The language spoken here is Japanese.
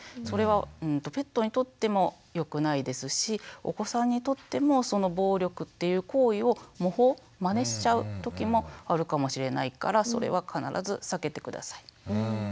それはペットにとってもよくないですしお子さんにとってもその暴力っていう行為を模倣まねしちゃう時もあるかもしれないからそれは必ず避けて下さい。